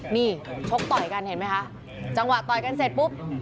นี่ชกต่อยกันเห็นไหมคะจังหวะต่อยกันเสร็จปุ๊บ